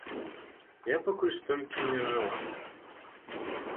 Я пакуль столькі не жыла.